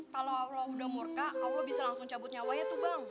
kalau allah udah murka allah bisa langsung cabut nyawanya tuh bang